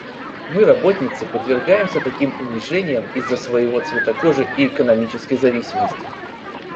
Мы, работницы, подвергаемся таким унижениям из-за своего цвета кожи и экономической зависимости.